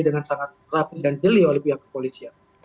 dengan sangat rapi dan jeli oleh pihak kepolisian